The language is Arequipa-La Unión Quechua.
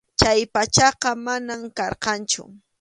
Chay pachaqa manam karqanchu.